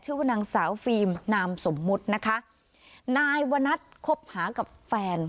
ชื่อว่านางสาวฟิล์มนามสมมุตินะคะนายวนัทคบหากับแฟน